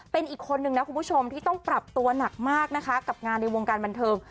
เป็นอีกคนนึงนะคุณผู้ชมที่ต้องปรับตัวหนักมากนะคะกับงานในวงการบันเทิง